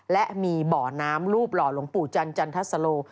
และมีบ่อน้ำรูปหล่อหลวงปู่จันจันทสโล